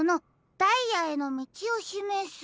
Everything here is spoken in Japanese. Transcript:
ダイヤへのみちをしめす」。